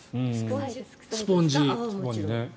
スポンジ。